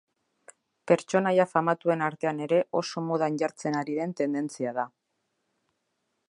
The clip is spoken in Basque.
Pertsonaia famatuen artean ere oso modan jartzen ari den tendentzia da.